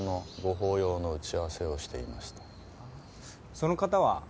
その方は？